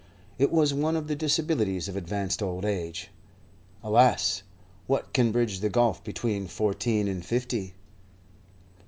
It was one of the disabilities of advanced old age. Alas! what can bridge the gulf between fourteen and fifty?